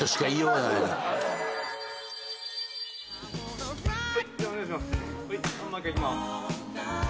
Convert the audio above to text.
はいもう一回いきます。